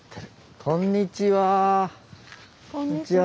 こんにちは。